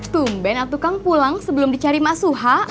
tumben atukang pulang sebelum dicari mas suha